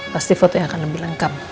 pasti foto yang akan lebih lengkap